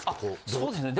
そうですね。